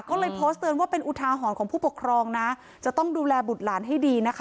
ก็เลยวว่าเป็นอุทาหอนของผู้ปกครองจะต้องดูแลบุตรหลานให้ดีนะคะ